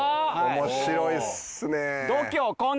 面白いっすねえ。